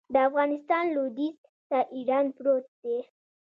د افغانستان لویدیځ ته ایران پروت دی